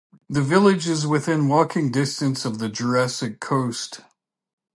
The village is within walking distance of the Jurassic Coast.